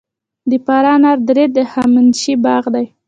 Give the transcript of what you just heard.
د فراه انار درې د هخامنشي باغ دی